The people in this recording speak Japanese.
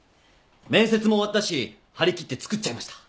面接も終わったし張り切って作っちゃいました。